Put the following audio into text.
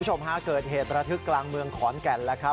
คุณผู้ชมฮะเกิดเหตุระทึกกลางเมืองขอนแก่นแล้วครับ